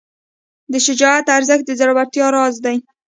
د شجاعت ارزښت د زړورتیا راز دی.